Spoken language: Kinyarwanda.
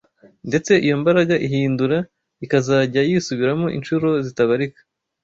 ndetse iyo mbaraga ihindura ikazajya yisubiramo incuro zitabarika